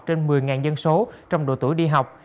trên một mươi dân số trong độ tuổi đi học